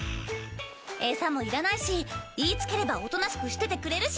餌もいらないし言いつければおとなしくしててくれるし